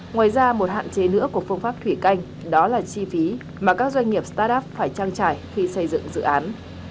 ngoài ra một hạn chế nữa của phương pháp thủy canh đó là chi phí mà các doanh nghiệp start up phải trang trải khi xây dựng dự án